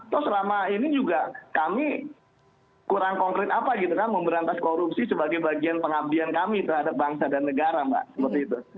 toh selama ini juga kami kurang konkret apa gitu kan memberantas korupsi sebagai bagian pengabdian kami terhadap bangsa dan negara mbak seperti itu